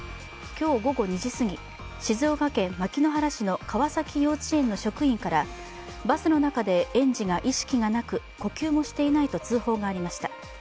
今日午後２時すぎ、静岡県牧之原市の川崎幼稚園の職員からバスの中で園児が意識がなく呼吸もしていないと通報がありました。